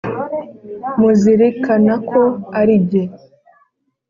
muzirikana ko ari jye